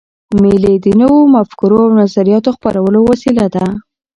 مېلې د نوو مفکورو او نظریاتو خپرولو وسیله ده.